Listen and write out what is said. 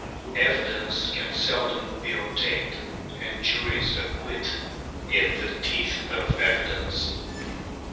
Evidence can seldom be obtained, and juries acquit in the teeth of evidence.